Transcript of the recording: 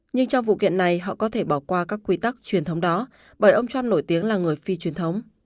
nhưng trong vụ kiện này họ có thể bỏ qua các quy tắc truyền thống đó bởi ông trump nổi tiếng là người phi truyền thống